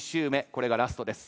これがラストです。